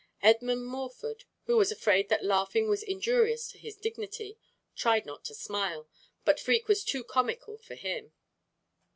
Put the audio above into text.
Edmund Morford, who was afraid that laughing was injurious to his dignity, tried not to smile, but Freke was too comical for him.